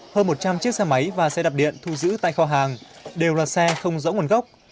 hơn một trăm linh chiếc xe máy và xe đạp điện thu giữ tại kho hàng đều là xe không rõ nguồn gốc